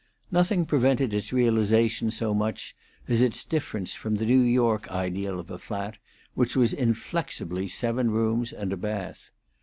Nothing prevented its realization so much as its difference from the New York ideal of a flat, which was inflexibly seven rooms and a bath.